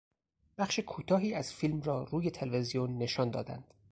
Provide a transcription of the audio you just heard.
بخش کوتاهی از فیلم را روی تلویزیون نشان دادند.